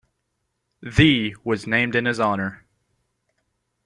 The was named in his honor.